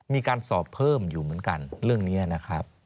มีการสอบเพิ่มอยู่เหมือนกันเรื่องนี้นะครับ